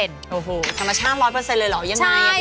ธรรมชาติ๑๐๐เลยเหรอ